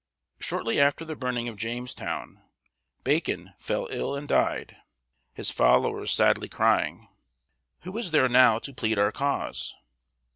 Shortly after the burning of Jamestown, Bacon fell ill and died, his followers sadly crying: "Who is there now to plead our cause?"